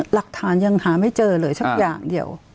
หลักฐานยังหาไม่เจอเลยสักอย่างเดียว